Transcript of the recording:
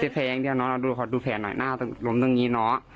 เสร็จแผลอย่างเดียวน้องเอาดูขอดูแผลหน่อยหน้าลมตรงงี้น้อ